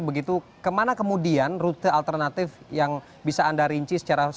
begitu kemana kemudian rute alternatif yang bisa anda rinci secara secara secara langsung